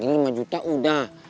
tadi lima juta udah